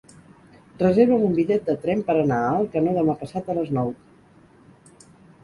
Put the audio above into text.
Reserva'm un bitllet de tren per anar a Alcanó demà passat a les nou.